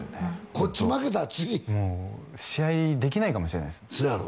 こっち負けたら次もう試合できないかもしれないそやろ？